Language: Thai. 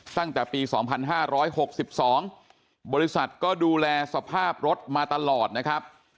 ตั้งแต่ปี๒๕๖๒บริษัทก็ดูแลสภาพรถมาตลอดนะครับ